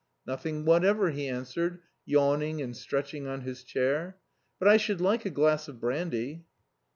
"Nothing whatever," he answered, yawning and stretching on his chair. "But I should like a glass of brandy."